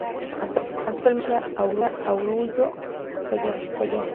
Actualmente dirige a Oruro Royal.